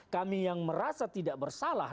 kami yang merasa tidak bersalah